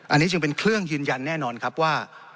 อันนี้จึงเป็นเครื่องยืนยันแน่นอนครับว่า